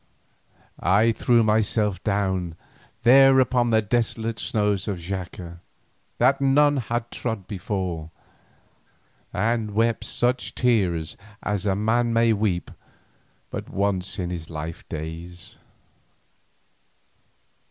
I threw myself down there upon the desolate snows of Xaca, that none had trod before, and wept such tears as a man may weep but once in his life days.